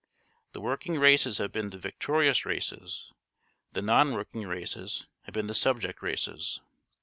The working races have been the victorious races; the non working races have been the subject races.